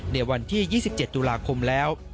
ในวันที่๒๗ตุลาคมแล้ว